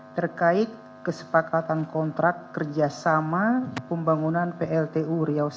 terkait kesepakatan kontrak kerjasama pembangunan pltu riau i